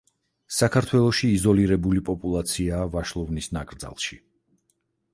საქართველოში იზოლირებული პოპულაციაა ვაშლოვნის ნაკრძალში.